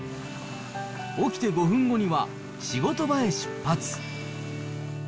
起きて５分後には仕事場へ出発。